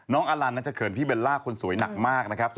อลันนั้นจะเขินพี่เบลล่าคนสวยหนักมากนะครับ